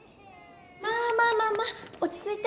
まあまあまあまあおちついて。